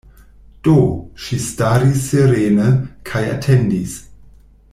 Do, ŝi staris serene, kaj atendis.